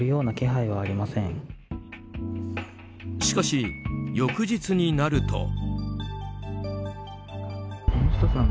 しかし、翌日になると。